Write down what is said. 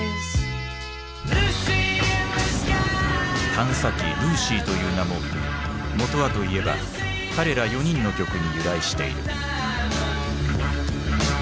探査機「ルーシー」という名ももとはといえば彼ら４人の曲に由来している。